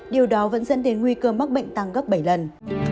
điều đó vẫn dẫn đến nguy cơ mắc bệnh tăng gấp bảy lần